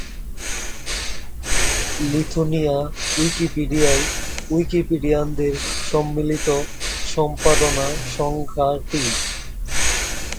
লিথুনিয় উইকিপিডিয়ায় উইকিপিডিয়ানদের সম্মিলিত সম্পাদনার সংখ্যা টি।